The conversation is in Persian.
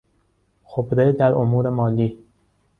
خبره در امور مالی